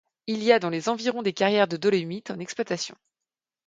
Il y a dans les environs des carrières de dolomite en exploitation.